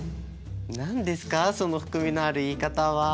何ですかその含みのある言い方は。